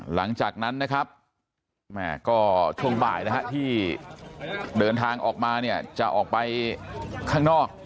หลังจากนั้นนะครับแม่ก็ช่วงบ่ายนะฮะที่เดินทางออกมาเนี่ยจะออกไปข้างนอก